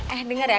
eh denger ya